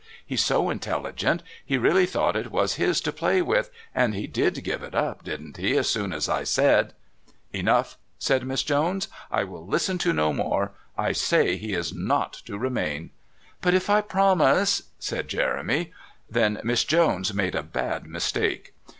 He's so intelligent. He really thought it was his to play with, and he did give it up, didn't he, as soon as I said " "Enough," said Miss Jones, "I will listen to no more. I say he is not to remain " "But if I promise " said Jeremy. Then Miss Jones made a bad mistake.